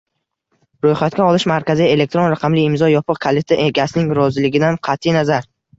Ro‘yxatga olish markazi, elektron raqamli imzo yopiq kaliti egasining roziligidan qati nazar